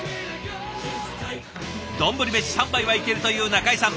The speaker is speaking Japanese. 丼飯３杯はいけるという中井さん。